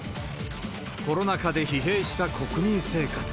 コロナ禍で疲弊した国民生活。